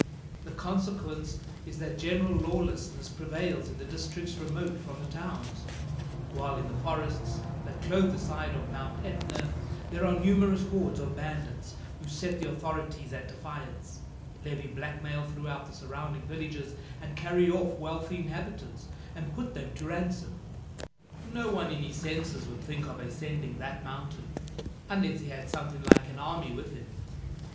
The consequence is that general lawlessness prevails in the districts remote from the towns; while in the forests that clothe the side of Mount Etna, there are numerous hordes of bandits who set the authorities at defiance, levy blackmail throughout the surrounding villages, and carry off wealthy inhabitants, and put them to ransom. No one in his senses would think of ascending that mountain, unless he had something like an army with him."